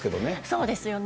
そうですよね。